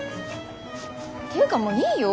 っていうかもういいよ